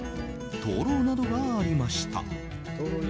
灯籠などがありました。